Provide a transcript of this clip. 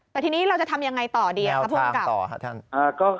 แต่ทีนี้เราจะทำยังไงต่อดีครับภูมิกับ